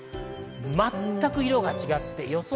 全く色が違って予想